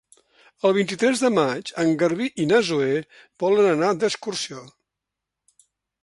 El vint-i-tres de maig en Garbí i na Zoè volen anar d'excursió.